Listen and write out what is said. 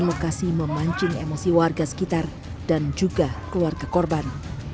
lokasi memancing emosi warga sekitar dan juga keluarga korban